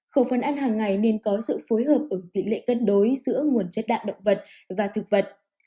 khẩu phân ăn hàng ngày nên có sự phối hợp ở tỉ lệ cân đối giữa nguồn chất đạm động vật và thực vật